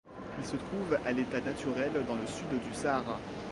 Il se trouve à l'état naturel dans le Sud du Sahara.